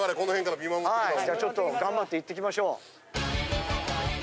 はいじゃあちょっと頑張って行って来ましょう。